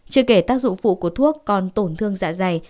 chưa kể tác dụng phụ của thuốc còn tổn thương dạ dày